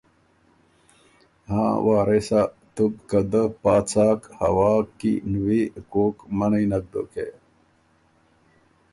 هاں وارثا! تُو بو که دۀ پا څاک هوا کی نوی کوک منعئ نک دوکې